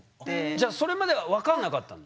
じゃそれまでは分かんなかったんだ？